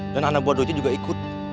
dan anak bodohnya juga ikut